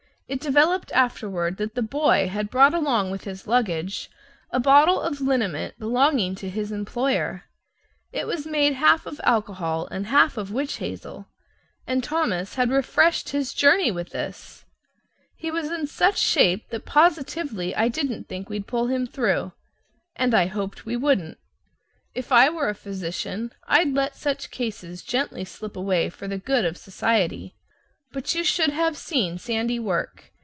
It developed afterward that the boy had brought along with his luggage a bottle of liniment belonging to his employer. It was made half of alcohol and half of witch hazel; and Thomas had refreshed his journey with this! He was in such shape that positively I didn't think we'd pull him through and I hoped we wouldn't. If I were a physician, I'd let such cases gently slip away for the good of society; but you should have seen Sandy work!